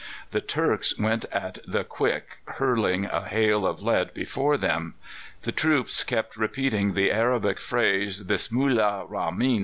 The Turks went at the quick, hurling a hail of lead before them. The troops kept repeating the Arabic phrase, "Bismillah rahmin!"